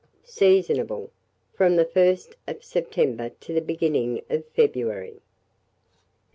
Seasonable from the 1st of September to the beginning of February.